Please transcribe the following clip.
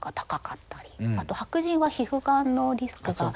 あと白人は皮膚がんのリスクが。